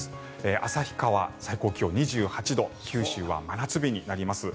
旭川、最高気温２８度九州は真夏日になります。